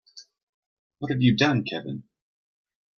What have you done Kevin?